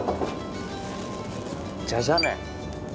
じゃじゃ麺。